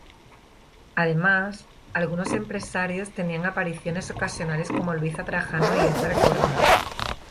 Además, algunos empresarios tenían apariciones ocasionales como Luiza Trajano y Edgard Corona.